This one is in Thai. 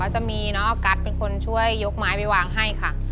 จะมีน้องออกัสเป็นคนช่วยยกไม้ไปวางให้ค่ะ